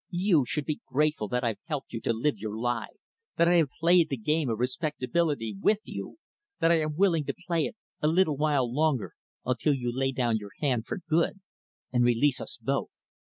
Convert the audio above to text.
You should be grateful that I have helped you to live your lie that I have played the game of respectability with you that I am willing to play it a little while longer, until you lay down your hand for good, and release us both.